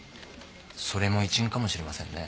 それも一因かもしれませんね。